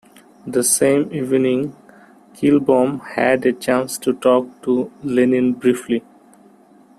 The same evening, Kilbom had a chance to talk to Lenin briefly.